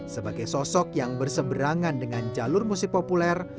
sebagai sosok yang berseberangan dengan jalur musik populer